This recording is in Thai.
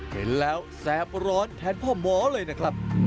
เห็นแล้วแสบร้อนแทนพ่อหมอเลยนะครับ